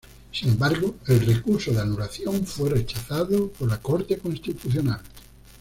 Sin embargo, el recurso de anulación fue rechazado por la Corte Constitucional.